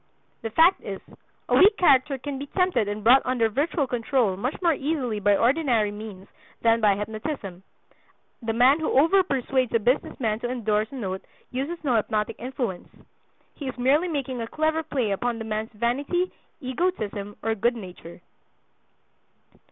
The fact is, a weak character can be tempted and brought under virtual control much more easily by ordinary means than by hypnotism. The man who "overpersuades" a business man to endorse a note uses no hypnotic influence. He is merely making a clever play upon the man's vanity, egotism, or good nature.